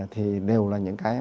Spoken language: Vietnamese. thì đều là những cái